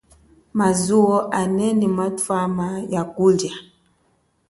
Mazuwo anene, mwatwama ya kulia.